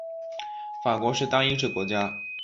法国是单一制国家。